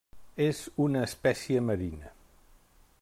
És una espècie marina.